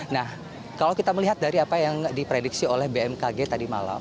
nah kalau kita melihat dari apa yang diprediksi oleh bmkg tadi malam